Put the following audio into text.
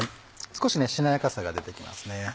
少ししなやかさが出てきますね。